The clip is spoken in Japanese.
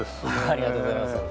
ありがとうございます。